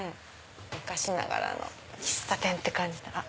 昔ながらの喫茶店って感じだ。